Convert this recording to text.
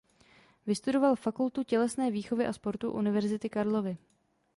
Vystudoval Fakultu tělesné výchovy a sportu Univerzity Karlovy.